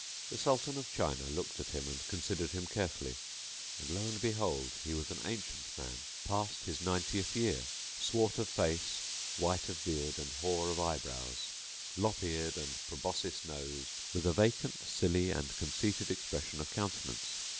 The Sultan of China looked at him and considered him carefully and lo and behold! he was an ancient man, past his ninetieth year; swart of face, white of beard, and hoar of eyebrows; lop eared and proboscis nosed,[FN#696] with a vacant, silly and conceited expression of countenance.